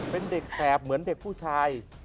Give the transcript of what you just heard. เป็นเด็กแสบเหมือนเด็กผู้ชาย